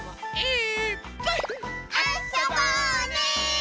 え？